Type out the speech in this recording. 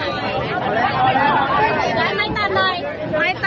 มีทริกไหมค์